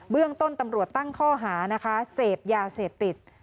เรื่องต้นตำรวจตั้งข้อหานะคะเสพยาเสพติด